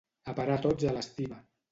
A parar tots a l'estiba.